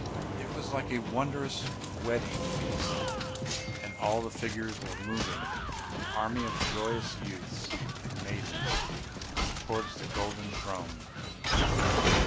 It was like a wondrous wedding feast, and all the figures were moving, an army of joyous youths and maidens, towards a golden throne.